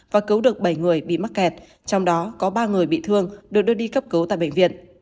và cứu được bảy người bị mắc kẹt trong đó có ba người bị thương được đưa đi cấp cứu tại bệnh viện